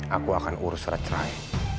aku akan urus surat cerai